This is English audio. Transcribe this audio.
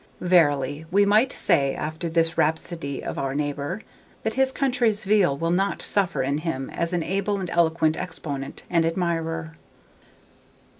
Verily, we might say, after this rhapsody of our neighbour, that his country's weal will not suffer in him as an able and eloquent exponent and admirer.